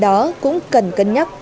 đó cũng cần cân nhắc